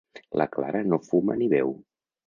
La Clara no fuma ni beu.